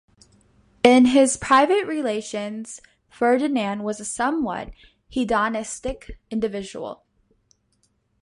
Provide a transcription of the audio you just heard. In his private relations, Ferdinand was a somewhat hedonistic individual.